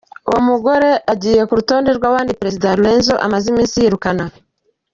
Uwo mukenyezi agiye ku rutonde rw'abandi, Perezida Lourenco amaze iminsi yirukana.